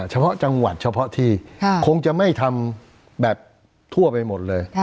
เฉพาะจังหวัดเฉพาะที่คงจะไม่ทำแบบทั่วไปหมดเลย